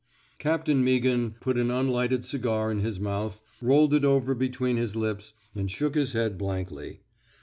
Captain Meaghan put an unlighted cigar in his mouth, rolled it over between his lips, and shook his head blankly.